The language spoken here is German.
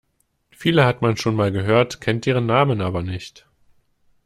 Viele hat man schon mal gehört, kennt deren Namen aber nicht.